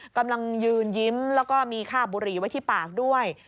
กำลังยืนยิ้มแล้วก็มีค่าบุหรี่ไว้ที่ปากด้วย